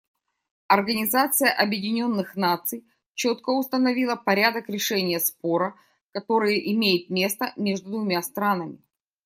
Организация Объединенных Наций четко установила порядок решения спора, который имеет место между двумя странами.